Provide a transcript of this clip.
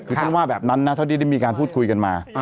คือท่านว่าแบบนั้นนะเท่าที่ได้มีการพูดคุยกันมา